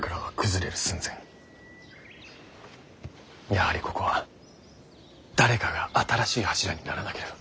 やはりここは誰かが新しい柱にならなければ。